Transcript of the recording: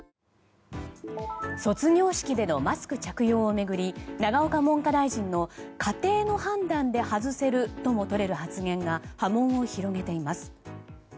卒業式でのマスク着用を巡り永岡文科大臣の、家庭の判断で外せるとも取れる発言が波紋を広げています。